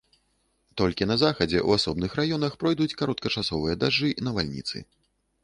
Толькі на захадзе ў асобных раёнах пройдуць кароткачасовыя дажджы, навальніцы.